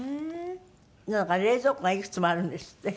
なんか冷蔵庫がいくつもあるんですって？